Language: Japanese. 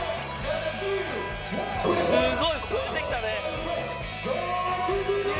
すごい！超えてきたね。